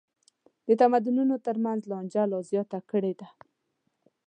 د تمدنونو تر منځ لانجه لا زیاته کړې ده.